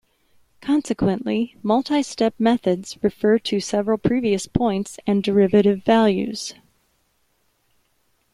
Consequently, multistep methods refer to several previous points and derivative values.